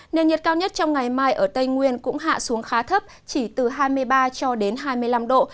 nền nhiệt cao nhất trong ngày mai ở tây nguyên cũng hạ xuống khá thấp chỉ từ hai mươi ba cho đến hai mươi năm độ